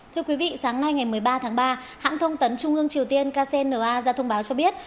thưa quý vị sáng nay ngày một mươi ba tháng ba hãng thông tấn trung ương triều tiên kcna ra thông báo cho biết